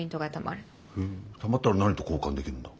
へえたまったら何と交換できるんだ？